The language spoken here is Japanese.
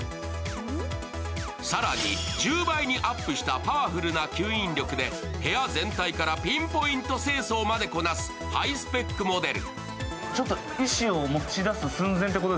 更に１０倍にアップしたパワフルな吸引力で部屋全体からピンポイント清掃までこなすハイスペックモデル。